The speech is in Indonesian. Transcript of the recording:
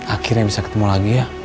akhirnya bisa ketemu lagi ya